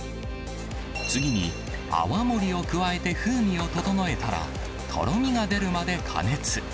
次に泡盛を加えて風味を整えたら、とろみが出るまで加熱。